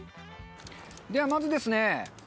では、まずですね